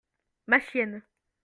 Ma chienne.